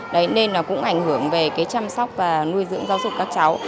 đấy nên là cũng ảnh hưởng về cái chăm sóc và nuôi dưỡng giáo dục các cháu